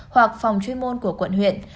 hoặc phòng chuyên môn của quận huyện